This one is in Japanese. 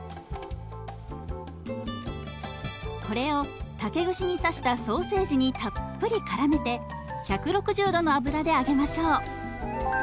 これを竹串に刺したソーセージにたっぷりからめて１６０度の油で揚げましょう。